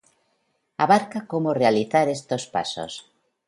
Abarca como realizar estos pasos